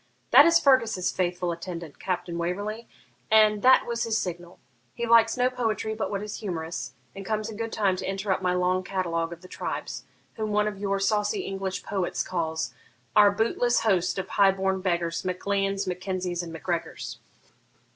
'That is Fergus's faithful attendant, Captain Waverley, and that was his signal. He likes no poetry but what is humorous, and comes in good time to interrupt my long catalogue of the tribes, whom one of your saucy English poets calls Our bootless host of high born beggars, Mac Leans, Mac Kenzies, and Mac Gregors.'